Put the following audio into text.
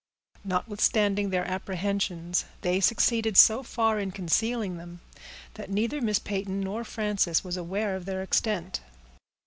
Notwithstanding their apprehensions, they succeeded so far in concealing them, that neither Miss Peyton nor Frances was aware of their extent.